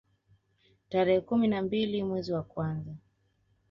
Tarehe kumi na mbili mwezi wa kwanza